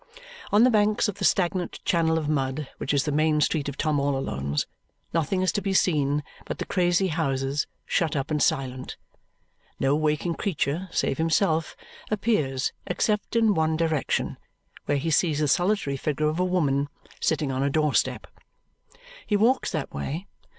On the banks of the stagnant channel of mud which is the main street of Tom all Alone's, nothing is to be seen but the crazy houses, shut up and silent. No waking creature save himself appears except in one direction, where he sees the solitary figure of a woman sitting on a door step. He walks that way.